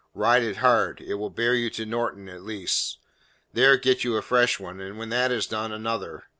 Ride it hard. It will bear you to Norton at least. There get you a fresh one, and when that is done, another.